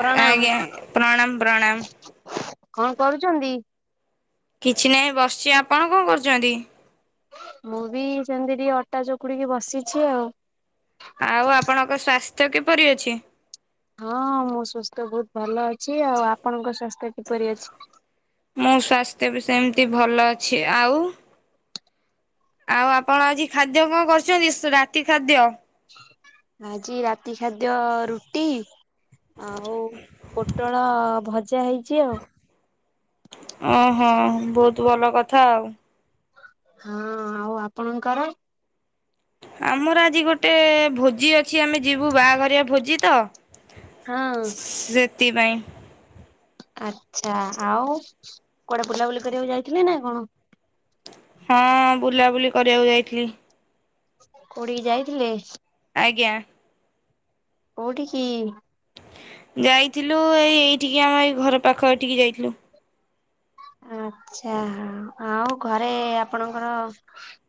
ପ୍ରଣାମ। ଆଜ୍ଞା ପ୍ରଣାମ ପ୍ରଣାମ। କଣ କରୁଛନ୍ତି? କିଛି ନାହିଁ ବସିଛି ଆପଣ କଣ କରୁଛନ୍ତି? ମୁଁ ବି ସେମିତି ଟିକେ ଅଟା ଚକୁଡିକି ବସିଛି ଆଉ। ଆଉ ଆପଣଙ୍କ ସ୍ଵାସ୍ଥ୍ୟ କିପରି ଅଛି? ହଁ ମୋ ସ୍ଵାସ୍ଥ୍ୟ ବହୁତ ଭଲ ଅଛି। ଆଉ ଆପଣଙ୍କ ସ୍ଵାସ୍ଥ୍ୟ କିପରି ଅଛି? ମୋ ସ୍ୱାସ୍ଥ୍ୟ ବି ସେମତି ଭଲ ଅଛି। ଆଉ? ଆଉ ଆପଣ ଆଜି ଖାଦ୍ୟ କଣ କରିଛନ୍ତି ସ୍ ରାତି ଖାଦ୍ୟ? ଆଜି ରାତି ଖାଦ୍ୟ ରୁଟି ଆଉ ପୋଟଳ ଭଜା ହେଇଛି ଆଉ। ଓହୋ ବହୁତ ଭଲ କଥା ଆଉ। ହଁ ଆଉ ଆପଣଙ୍କର? ଆମର ଆଜି ଗୋଟେ ଭୋଜି ଅଛି ଆମେ ଯିବୁ ବାହାଘରିଆ ଭୋଜି ତ ହଁ ସେଥିପାଇଁ। ଆଚ୍ଛା ଆଉ କୁଆଡେ ବୁଲାବୁଲି କରିବାକୁ ଯାଇଥିଲେ ନା କଣ? ହଁ ବୁଲାବୁଲି କରିବାକୁ ଯାଇଥିଲି। କୋଉଠିକି ଯାଇଥିଲେ? ଆଜ୍ଞା। କୋଉଠିିକି? ଯାଇଥିଲୁ ଏଇ ଏଇଠିକି ଆମ ଏଇ ଘର ପାଖ ଏଠିକି ଯାଇଥିଲୁ। ଆଛା ଆଉ ଘରେ ଆପଣଙ୍କର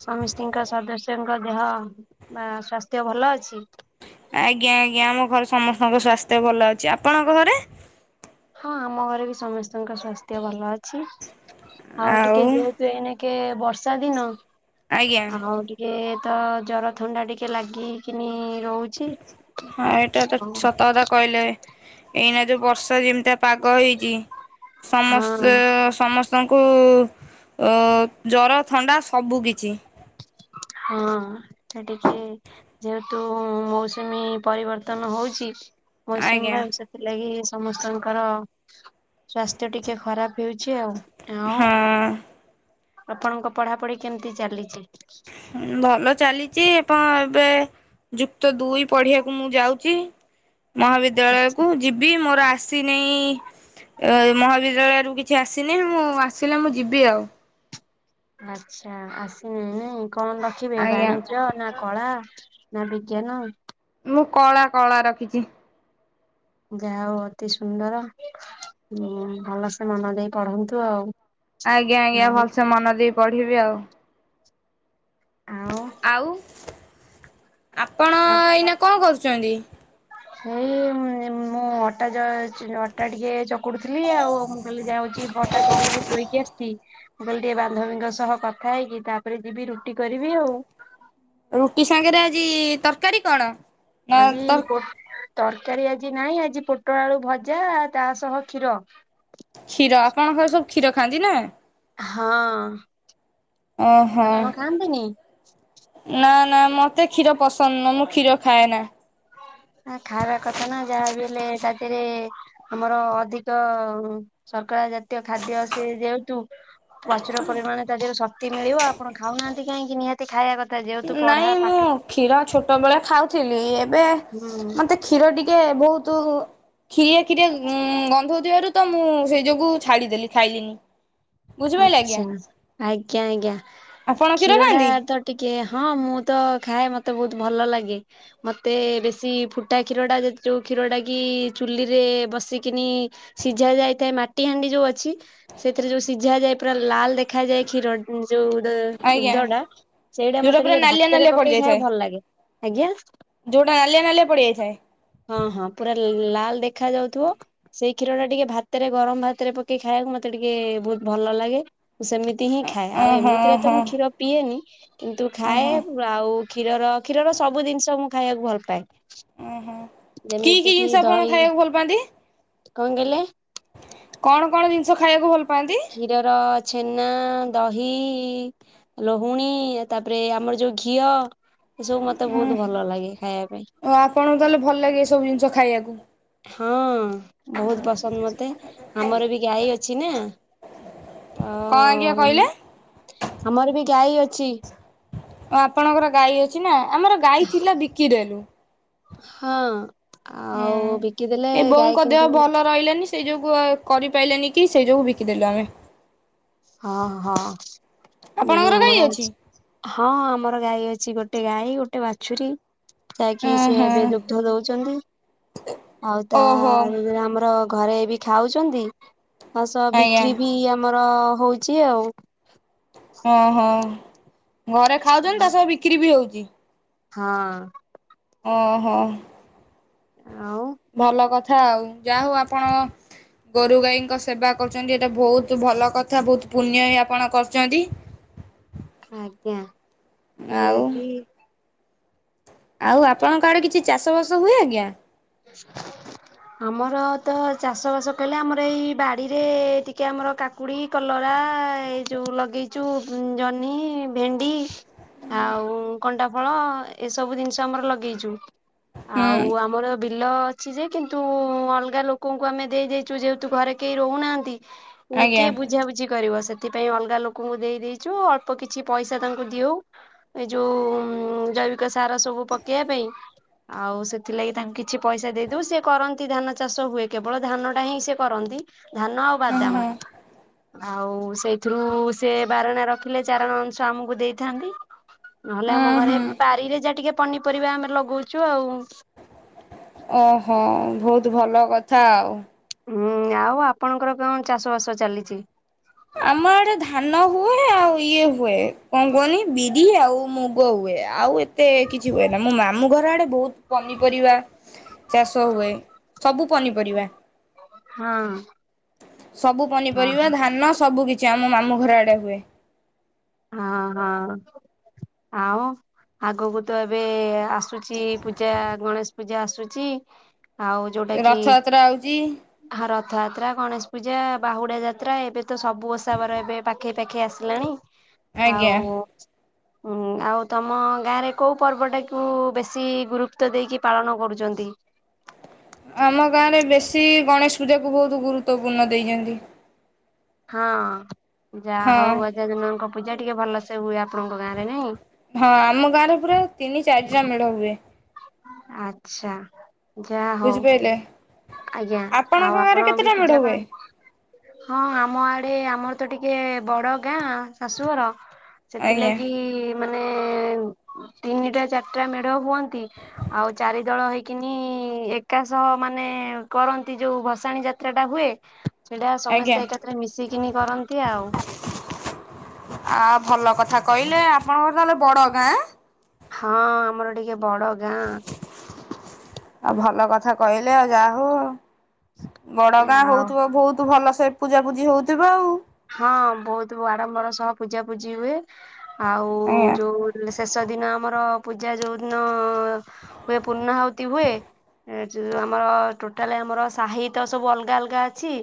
ସମିସ୍ତୀଙ୍କ ସଦସ୍ୟଙ୍କ ଦେହ ବା ସ୍ଵାସ୍ଥ୍ୟ ଭଲ ଅଛି? ଆଜ୍ଞା ଆଜ୍ଞା ଆମ ଘରେ ସମସ୍ତଙ୍କ ସ୍ଵାସ୍ଥ୍ୟ ଭଲ ଅଛି। ଆପଣଙ୍କ ଘରେ? ହଁ ଆମ ଘରେ ବି ସମସ୍ତଙ୍କ ସ୍ୱାସ୍ଥ୍ୟ ଭଲ ଅଛି। ଆଉ ଟିକେ ଯେହ ତ ଏଇନାକେ ବର୍ଷା ଦିନ। ଆଜ୍ଞା ଆଉ ଟିକେ ତ ଜର ଥଣ୍ଡା ଟିକେ ଲାଗିକିନି ରହୁ ହଁ ଏଇଟା ତ ସତ କଥା କହିଲେ। ଏଇନା ଯୋଉ ବର୍ଷା ଯେମିତିଆ ପାଗ ହେଇଛି, ହଁ ସମସ୍ତ ସମସ୍ତ ସ୍ତଙ୍କୁ ଅ ଜର ଥଣ୍ଡା ସବୁ କିିଛି। ହଁ ସେ ଟିକେ ଯେହେତୁ ମୌସୁମୀ ପରିବର୍ତ୍ତନ ହଉଛି, ମୌସୁମୀ ଆଜ୍ଞା ବାୟୁ ସେ ସେଥିଲାଗି ସମସ୍ତଙ୍କର ସ୍ଵାସ୍ଥ୍ୟ ଟିକେ ଖରାପ ହେଉଛି ଆଉ। ହଁ ଆପଣଙ୍କ ପଢାପଢି କେମିତି ଚାଲିଛି? ଭଲ ଚାଲିଛି [unintelligible] ଏବେ ଯୁକ୍ତ ଦୁଇ ପଢିଆକୁ ମୁଁ ଯାଉଛି। ଆଛା ମହାବିଦ୍ୟାଳୟକୁ ଯିବି, ମୋର ଆ ସିନେଇ ମହାବିଦ୍ୟାଳୟରୁ କିଛି ଆସିନେଇ, ମୁଁ ଆସିଲେ ମୁଁ ଯିବି ଆଉ। ଆଚ୍ଛା ଆସିନି ନାଇଁ, କଣ ରଖିବେ? ଆଜ୍ଞା। ବାଣିଜ୍ୟ ନା କଳା ନା ବିଜ୍ଞାନ। ମୁଁ କଳା, କଳା ରଖିଛି। ଯାହା ହଉ ଅତି ସୁନ୍ଦର, ଭଲସେ ମନ ଦେଇ ପଢନ୍ତୁ ଆଉ। ଆଜ୍ଞା ଆଜ୍ଞା ଆଉ ଭଲସେ ମନ ଦେଇ ପଢିବି ଆଉ। ଆଉ। ଆଉ ଆପଣ ଆଉ ଏଇନା କଣ କରୁଛନ୍ତି? ସେଇ ମୁଁ ଅଟା ଯ ଅଟା ଟିକେ ଚକୁଡୁଥିଲି ଆଉ, ମୁଁ କହିଲି ଯାଉଛି ଅଟା ଚକୁଡିକି ଥୋଇକି ଆସିଛି। ମୁଁ କହିଲି ଟିକେ ବାନ୍ଧବୀଙ୍କ ସହ କଥା ହେଇକି, ତାପରେ ଯିବି ରୁଟି କରିବି ଆଉ। ରୁଟି ସାଙ୍ଗରେ ଆଜି ତରକାରୀ କଣ? ନା ଆଜି ତ ପୋ ତରକାରୀ ଆଜି ନାହିଁ, ଆଜି ପୋଟଳ ଆଳୁ ଭଜା ଆଉ ତା ସହ କ୍ଷୀର। କ୍ଷୀର, ଆପଣଙ୍କ ଘରେ ସବୁ କ୍ଷୀର ଖାଆନ୍ତି ନା। ହଁ। ଓ ହୋ। ଆପଣ ଖାଆନ୍ତିନି? ନା- ନା ମତେ କ୍ଷୀର ପସନ୍ଦ ନୁହଁ, ମୁଁ କ୍ଷୀର ଖାଏନା। ଖାଇବା କଥା ନା ଯାହା ବି ହେଲେ ତା ଦେହେରେ ଆମର ଅଧିକ ସର୍କରା ଜାତୀୟ ଖାଦ୍ୟ ସେ ଯେହେତୁ ପ୍ରଚୁର ପରିମାଣ ତା ଦେହର ଶକ୍ତି ମିଳିବ। ଆପଣ ଖାଉନାହାନ୍ତି କାହିଁକି? ନିହା ଖାଇବା କଥା, ଯେହେତୁ ନାଇଁ ପଢ଼ା ମୁଁ ପାଠ କ୍ଷୀର ଛୋଟବେଳେ ଖାଉଥିଲି। ଏବେ ହୁଁ। ମତେ କ୍ଷୀର ଟିକେ ବହୁତ, କ୍ଷୀରିଆ କ୍ଷୀରିଆ ଗନ୍ଧଉଥିବାରୁ ତ ମୁଁ ସେଇ ଯୋଗୁଁ ଛାଡିଦେଲି ଖାଇଲିନି। ବୁଝିପାରିଲେ ଆଜ୍ଞା ଆଚ୍ଛା, ଆଜ୍ଞା ଆଜ୍ଞା ଆପଣ କ୍ଷୀର କ୍ଷୀରଟା ଖାଆନ୍ତି? ତ ଟିକେ ହଁ, ମୁଁ ତ ଖାଏ ମତେ ବହୁତ ଭଲ ଲାଗେ। ମୋତେ ବେଶୀ ଫୁଟା କ୍ଷୀରଟା ଯେ, ଯୋଉ କ୍ଷୀରଟା କି ଚୁଲିରେ ବସିକିନି ସିଝା ଯାଇଥାଏ ମାଟି ହାଣ୍ଡି ଯୋଉ ଅଛି, ସେଥିରେ ଯୋଉ ସି ସିଝା ଯାଏ ପୁରା ଲାଲ ଦେଖାଯାଏ, କ୍ଷୀର ଯୋଉ ଗୁଡା ଆଜ୍ଞା ଦୁଗ୍ଧ ଟା, ସେଇଟା ଯୋଉଟା ମତେ ପୁରା ଟିକେ ନାଲିଆ ନାଲିଆ ଭାତରେ ପକେଇ ପଡିଯାଇଥାଏ ଖାଇବାକୁ ଭଲ ଲାଗେ। ଆଜ୍ଞା ଯୋଉଟା ନାଲିଆ ନାଲିଆ ପଡିଯାଇଥାଏ। ହଁ- ହଁ ପୁରା ଲାଲ ଦେଖା ଯାଉଥିବ। ସେଇ କ୍ଷୀରଟା ଟିକେ ଭାତରେ, ଗରମ ଭାତରେ ପକେଇ ଖାଇବାକୁ ମତେ ଟିକେ ବହୁତ୍ ଭଲ ଲାଗେ, ମୁଁ ସେମିତି ହିଁ ଖାଏ। ଆଉ ଓହୋ ଏମିତିରେ ତ ଓହୋ ମୁଁ କ୍ଷୀର ପିଏନି, କିନ୍ତୁ ଖାଏ ଓହୋ ଆଉ କ୍ଷୀରର, କ୍ଷୀରର ସବୁ ଜିନିଷ ମୁଁ ଖାଇବାକୁ ଭଲ ପାଏ ଓହୋ। କି କି ଯେମିତି କିି ଜିନିଷ ଆପଣ ଦହି। ଖାଇବାକୁ ଭଲ ପାଆନ୍ତି କଣ କହିଲେ? କଣ କଣ ଜିନିଷ ଖାଇବାକୁ ଭଲ ପାଆନ୍ତି? କ୍ଷୀରର ଛେନା ଦହି ଲହୁଣୀ ତାପରେ ଆମର ଯୋଉ ଘିଅ, ଏ ସବୁ ମତେ ବହୁତ ଭଲ ଲାଗେ ଖାଇବା ପାଇଁ। ଓ ଆପଣଙ୍କୁ ତାହେଲେ ଭଲ ଲାଗେ ଏ ସବୁ ଜିନିଷ ଖାଇବାକୁ? ହଁ ବହୁତ ପସନ୍ଦ ମତେ। ଆମର ବି ଗାଈ ଅଛି ନା। କଣ ଆଜ୍ଞା କହିଲେ? ତ ଆମର ବି ଗାଈ ଅଛି। ଓ ଆପଣଙ୍କର ଗାଈ ଅଛି ନା? ଆମର ଗାଈ ଥିଲା ବିକିଦେଲୁ। ହଁ ଆଉ ହୁଁ। ବିକିଦେଲେ ଏ ବୋଉଙ୍କ ଗାଈ ଦେହ କିନ୍ତୁ ଭଲ ରହିଲାନି ସେଇ ଯୋଗୁଁ କରିପାରିଲା ନି କି ସେଇ ଯୋଗୁଁ ବିକିଦେଲୁ ଆମେ। ହଁ ହଁ। ନାଇଁ ଆପଣଙ୍କର ଗାଈ ଆମର ଅଛି। ହଁ ଆମର ଗାଈ ଅଛି ଗୋଟେ ଗାଈ ଗୋଟେ ବାଛୁରୀ। ଯାକି ସେ ଓହୋ ଏବେ ଦୁଗ୍ଧ ଦଉଛନ୍ତି। ଆଉ ଓହୋ ତାରେ ଆମର ଘରେ ବି ଖାଉଛନ୍ତି। ତା ସହ ଆଜ୍ଞା ବିକ୍ରି ବି ଆମର ହଉଛି ଆଉ। ଓହୋ। ଘରେ ଖାଉଛନ୍ତି ତା ସହ ବିକ୍ରି ବି ହଉଛି। ହଁ। ଓଁହୋ। ଆଉ। ଭଲ କଥା ଆଉ ଯାହା ହଉ ଆପଣ ଗୋରୁ ଗାଈଙ୍କ ସେବା କରୁଛନ୍ତି ଏଇଟା ବହୁତ ଭଲ କଥା ବହୁତ ପୁଣ୍ୟ ହି ଆପଣ କରୁଛନ୍ତି। ଆଜ୍ଞା। ଆଉ ନିହାତି। ଆଉ ଆପଣଙ୍କ ଆଡେ କିଛି ଚାଷବାସ ହୁଏ ଆଜ୍ଞା? ଆମର ତ ଚାଷବାସ କହିଲେ ଆମର ଏଇ ବାଡ଼ିରେ ଟିକେ ଆମର କା କାକୁଡି କଲରା ଏଇ ଯୋଉ ଲଗେଇଛୁ ଜହ୍ନି ଭେଣ୍ଡି। ଆଉ କଣ୍ଟା ଫଳ ଏସବୁ ଜିନିଷ ଆମର ଲଗେଇଛୁ ଆଉ ହୁଁ ଆମର ବିଲ ଅଛି ଯେ କିନ୍ତୁ ଅଲଗା ଲୋକଙ୍କୁ ଆମେ ଦେଇ ଦେଇଛୁ ଯେହେତୁ ଘରେ କେହି ରହୁନାହାନ୍ତି ଉଁ ଆଜ୍ଞା କିଏ ବୁଝାବୁଝି କରିବ ସେଟା ସେଥିପାଇଁ ଅଲଗା ଲୋକଙ୍କୁ ଦେଇ ଦେଇଛୁ ଅଳ୍ପ କିଛି ପଇସା ତାଙ୍କୁ ଦିଉ। ଏଇ ଯୋଉ ଜୈବିକ ସାର ସବୁ ପକେଇବା ପାଇଁ ଆଉ ସେଥିଲାଗି ତାଙ୍କୁ କିଛି ପଇସା ଦେଇ ଦଉ ସେ କରନ୍ତି ଧାନ ଚାଷ ହୁଏ, କେବଳ ଧାନ ଟା ହିଁ ସେ କରନ୍ତି। ଧାନ ଆଉ ଓହୋ ବାଦାମ ଆଉ ସେଇଥିରୁ ସେ ବାରଣା ରଖିଲେ ଚାରଣ ଅଂଶ ଆମକୁ ଦେଇଥାନ୍ତି। ନହେଲେ ଆମ ଘରେ ବାରିରେ ଯାହା ଟିକେ ପନିପରିବା ଆମେ ଲଗଉଛୁ ଆଉ। ଓହୋ ବହୁତ ଭଲ କଥା ଆଉ। ହୁଁ ଆଉ ଆପଣଙ୍କର କଣ ଚାଷ ବାସ ଚାଲିଛି? ଆମ ଏଡେ ଧାନ ହୁଏ ଆଉ ଇଏ ହୁଏ। କଣ କହନି ବିରି ଆଉ ମୁଗ ହୁଏ ଆଉ ଏ ଏତେ କିଛି ହୁଏ ନା ମୋ ମାମୁଁ ଘର ଆଡେ ବହୁତ ପନିପରିବା ଚାଷ ହୁଏ। ସବୁ ପନିପରିବା। ହଁ। ସବୁ ହଁ ପନିପରିବା ଧାନ ସବୁ କିଛି ଆମ ମାମୁଁ ଘର ଆଡେ ହୁଏ। ହଁ ହଁ। ଆଉ ଆଗକୁ ତ ଏବେ ଆସୁଚି ପୂଜା ଗଣେଶ ପୂଜା ଆସୁଚି ଆଉ ଯୋଉଟା କି ରଥଯାତ୍ରା ଆଉଛି ହା ରଥଯାତ୍ରା, ଗଣେଶ ପୂଜା, ବାହୁଡା ଯାତ୍ରା ଏବେ ତ ସବୁ ଅସା ବାର ଏବେ ପାଖେଇ ପାଖେଇ ଆସିଲାଣି। ଆଉ ଆଜ୍ଞା। ହୁଁ ଆଉ ତମ ଗାଁରେ କୋଉ ପର୍ବ ଟାକୁ ବେଶୀ ଗୁରୁତ୍ୱ ଦେଇକି ପାଳନ କରୁଛନ୍ତି? ଆମ ଗାଁରେ ବେଶୀ ଗଣେଶ ପୂଜାକୁ ବହୁତ ଗୁରୁତ୍ୱପୂର୍ଣ୍ଣ ଦେଇଛନ୍ତି। ହଁ ଯାହା ହଁ। ହଉ ଗଜାନନଙ୍କ ପୂଜା ଟିକେ ଭଲସେ ହୁଏ ଆପଣଙ୍କ ଗାଁରେ ନାଇଁ? ହଁ ଆମ ଗାଁରେ ପୁରା ତିନି ଚାରିଟା ମେଢ଼ ହୁଏ। ଆଚ୍ଛା। ଯା ହଉ ବୁଝିପାରିଲେ। ଆଜ୍ଞା ଆପଣଙ୍କ ଆଉ ଗାଁରେ ଆପଣ କେତେଟା ବି ମେଢ ପୂଜା ହୁଏ କରନ୍ତି। ହଁ ଆମ ଆଡେ ଆମର ତ ଟିକେ ବଡ ଗାଁ ଶାଶୁଘର। ଆଜ୍ଞା ସେଥିଲାଗି ମାନେ ତିନିଟା ଚାରିଟା ମେଢ ହୁଅନ୍ତି। ଆଉ ଚାରି ଦଳ ହେଇକିନି ଏକା ସହ ମାନେ କରନ୍ତି ଯୋଉ ଭସାଣି ଯା ତ୍ରା ଟା ହୁଏ ସେଟା ଆଜ୍ଞା। ସମସ୍ତେ ଏକାଥରେ ମିଶିକିନି କରନ୍ତି ଆଉ। ଆ ଭଲ କଥା କହିଲେ ଆପଣଙ୍କର ତାହେଲେ ବଡ ଗାଁ? ହଁ ଆମର ଟିକେ ବଡ ଗାଁ। ଆଉ ଭଲ କଥା କହିଲେ ଆଉ ଯା ହଉ। ବଡ ଗାଁ ଆଉ ହଉଥିବ ବହୁତୁ ଭଲସେ ପୂଜାପୁଜି ହଉଥିବ ଆଉ। ହଁ ବହୁତୁ ଆଡମ୍ବର ସହ ପୂଜାପୂଜି ହୁଏ, ଆଉ ଆଜ୍ଞା ଯୋଉ ଲି ଶେଷ ଦିନ ଆମର ପୂଜା ଯୋଉ ଦିନ ହୁଏ ପୂର୍ଣ୍ଣାହୁତି ହୁଏ। ଏ ଯୋଉ ଆମର ଟୋଟାଲ ଆମର ସାହି ତ ସବୁ ଅଲଗା ଅଲଗା ଅଛି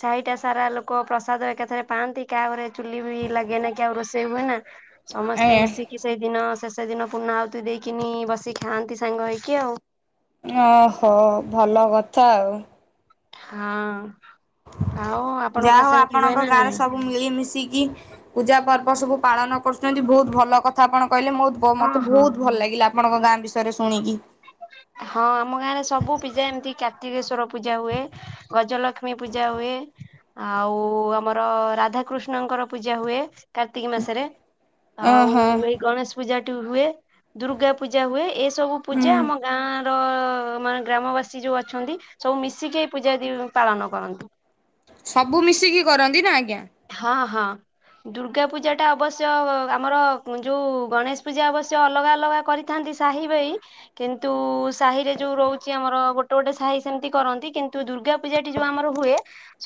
ସାହିଟା ସାରା ଲୋକ ପ୍ରସାଦ ଏକା ରେ ପାଆନ୍ତି କା ଘରେ ଚୁଲି ବି ଲାଗେନା କି ଆଉ ରୋଷେଇ ହୁଏ ନା, ସମସ୍ତେ ମିଶି ଆଜ୍ଞା କି ସେଇଦିନ ଶେଷ ଦିନ ପୂର୍ଣ୍ଣାହୁତି ଦେଇକିନି ବସିି ଖାଆନ୍ତି ସାଙ୍ଗ ହେଇକି ଆଉ। ଓହୋ ଭଲ କଥା ଆଉ। ହଁ ଆଉ ଯାହା ଆପଣଙ୍କର ହଉ ସେମିତି ହୁଏ ଆପଣଙ୍କ ନା ଗାଁରେ ନାଇଁ? ସବୁ ମିଳିମିଶିକି ପୂଜା ପର୍ବ ସବୁ ପାଳନ କରୁଛନ୍ତି ବହୁତ ଭଲ କଥା ଆପଣ କହିଲେ ମୋଦ ବ ହଁ ମୋତେ ହଁ ବହୁତ ଭଲ ଲାଗିଲା ଆପଣଙ୍କ ଗାଁ ବିଷୟରେ ଶୁଣିକି। ହଁ ଆମ ଗାଁ ରେ ସବୁ ପୂଜା ଏମିତି କାର୍ତ୍ତିକେଶ୍ଵର ପୂଜା ହୁଏ, ଗଜଲକ୍ଷ୍ମୀ ପୂଜା ହୁଏ। ଆଉ ଆମର ରାଧାକୃଷ୍ଣଙ୍କର ପୂଜା ହୁଏ। କାର୍ତ୍ତିକ ମାସରେ ଓହୋ ଆଉ ଏଇ ଗଣେଶ ପୂଜାଟି ହୁଏ ଦୁର୍ଗା ପୂଜା ହୁଏ। ଏ ସବୁ ହୁଁ ପୂଜା ଆମ ଗାଁ ତ ମାନେ ଗ୍ରାମବାସୀ ଯୋଉ ଅଛନ୍ତି ସବୁ ମିଶିକି ଏଇ ପୂଜାଟି ପାଳନ କରନ୍ତୁ। ସବୁ ମିଶିକି କରନ୍ତି ନା ଆଜ୍ଞା। ହଁ ହଁ। ଦୁର୍ଗା ପୂଜାଟା ଅବଶ୍ୟ ଆମର ଯୋଉ ଗଣେଶ ପୂଜା ଅବଶ୍ୟ ଅଲଗା ଅଲଗା କରି ଥାନ୍ତି ସାହି ଭାଇ। କିନ୍ତୁ ସାହିରେ ଯୋଉ ରହୁଚି ଆମର ଗୋଟେ ଗୋଟେ ସାହି ସେମିତି କରନ୍ତି କିନ୍ତୁ ଦୁର୍ଗା ପୂଜାଟି ଯୋଉ ଆମର ହୁଏ,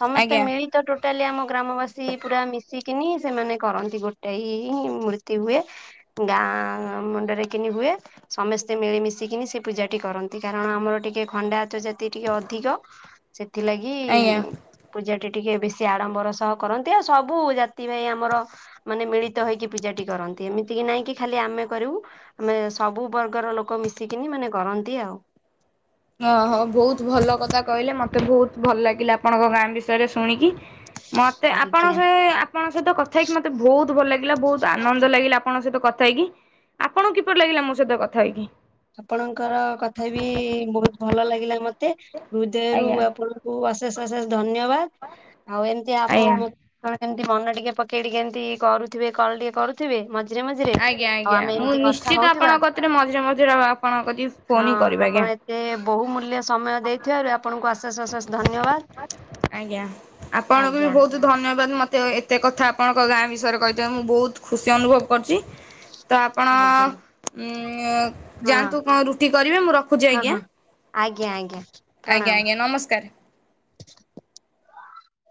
ସମସ୍ତେ ଆଜ୍ଞା ମିଳିତ ଟୋଟାଲି ଆମ ଗ୍ରାମବାସୀ ସୀ ପୁରା ମିଶିକିନି ସେମାନେ କରନ୍ତି ଗୋଟାଇ ହି ମୂର୍ତ୍ତି ହୁଏ। ଗାଁ ମୁଣ୍ଡରେ କିନି ହୁଏ। ସମସ୍ତେ ମିଳିମିଶିକିନି ସେ ପୂଜାଟି କରନ୍ତି କାରଣ ଆମର ଟିକେ ଖଣ୍ଡାୟତ ଜା ତି ଟିକେ ଅଧିକ ସେଥିଲାଗି ଆଜ୍ଞା। ପୂଜାଟି ଟିକେ ବେଶି ଆଡ଼ମ୍ବର ସହ କରନ୍ତି ଆଉ ସବୁ ଜାତି ଭାଇ ଆମର ମାନେ ମିଳିତ ହେଇକି ପୂଜାଟି କରନ୍ତି ଏମିତି କିି ନାହିଁ କି ଖାଲି ଆମେ କରିବୁ। ଆମେ ସବୁ ବର୍ଗର ଲୋକ ମିଶିକିନି ମାନେ କରନ୍ତି ଆଉ। ଓହୋ ବହୁତ ଭଲ କଥା କହିଲେ, ମତେ ବହୁତ ଭଲ ଲାଗିଲା ଆପଣଙ୍କ ଗାଁ ବିଷ ୟରେ ଶୁଣିକି ମତେ ଆପଣ ଆଜ୍ଞା ସେ ଆ ଆପଣଙ୍କ ସହିତ କଥା ହେଇକି ମତେ ବହୁତ ଭଲ ଲାଗିଲା ବହୁତ ଆନନ୍ଦ ଲାଗିଲା ଆପଣଙ୍କ ସହିତ କଥା ହେଇକି। ଆପଣଙ୍କୁ କିପରି ଲାଗିଲା ମୋ ସହିତ କଥା ହେଇକି? ଆପଣଙ୍କର କଥା ବି ବହୁତ ଭଲ ଲାଗିଲା ମତେ ହୃଦୟରୁ ଆଜ୍ଞା ଆପଣ ଙ୍କୁ ଅଶେଷ ଅଶେଷ ଧନ୍ୟବାଦ। ଆଉ ଏମିତି ଆପଣ ଆଜ୍ଞା। ମୋ କେତେବେଳେ କେମିତି ମନ ଟିକେ ପକେଇ ଟିକେ ଏମିତି କରୁଥିବେ କଲ୍ ଟିକେ କରୁଥିବେ, ମ ମଝିରେ ମଝିରେ ଆଉ ଆମେ ଏମିତି କଥା ହଉଥିବା। ମତେ ଟିକେ ମଝିରେ ମଝିରେ ଆଉ ଆପଣଙ୍କ କତି ହଁ ଆପଣ ଏତେ ବହୁ ମୂଲ୍ୟ ସମୟ ଦେଇଥିବାରୁ ଆପଣଙ୍କୁ ଅସେ ଅଶେଷ ଅଶେଷ ଧନ୍ୟବାଦ ଆଜ୍ଞା। ଆପଣଙ୍କୁ ବି ଆଜ୍ଞା। ବହୁତ ଧନ୍ୟବାଦ ମତେ ଏତେ କଥା ଆପଣଙ୍କ ଗାଁ ବିଷୟରେ କହି ମୁଁ ବହୁତ ଖୁସି ଅନୁଭବ କରିଛି। ତ ଆପଣ ଆଜ୍ଞା ହଁ ଯାଆନ୍ତୁ କଣ ରୁଟି କରିବେ ମୁଁ ରଖୁଛି ହଁ ଆଜ୍ଞା। ହଁ ଆଜ୍ଞା ଆଜ୍ଞା। ପ୍ରଣାମ। ଆଜ୍ଞା ଆଜ୍ଞା ନମସ୍କାର।